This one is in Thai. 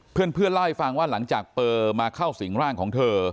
เพื่อนเล่าให้ฟังว่าหลังจากเปอร์มาเข้าสิงร่างของเธอ